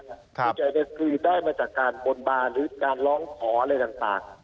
ที่ใจก็คือได้มาจากการบนบานหรือการร้องขออะไรต่าง